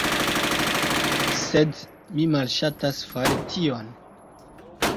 Sed mi malŝatas fari tion.